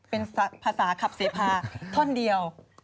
เป็นภาษาขับเสพาท่อนเดียว